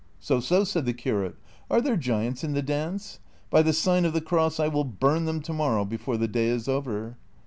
" So, so !" said the curate, " are there giants in the dance ? By the sign of the Cross I will bvirn them to morrow before the day is over."